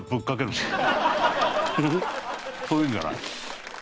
そういうのじゃない？